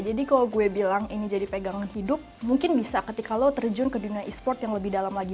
jadi kalau gue bilang ini jadi pegangan hidup mungkin bisa ketika lo terjun ke dunia esport yang lebih dalam lagi